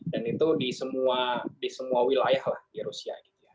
dan itu di semua wilayah lah di rusia gitu ya